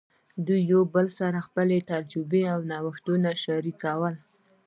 دوی یو بل سره خپلې تجربې او نوښتونه شریکول.